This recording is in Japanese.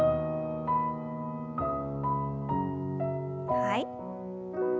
はい。